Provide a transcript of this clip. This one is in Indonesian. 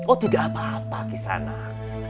oh tidak apa apa kisanak